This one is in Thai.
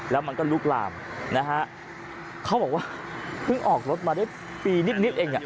แล้วมันก็ลุกลามนะฮะเขาบอกว่าเพิ่งออกรถมาได้ปีนิดนิดเอง